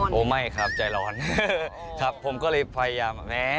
เราจะได้ปลดทุกปลดโศกปลดทุกอย่างออก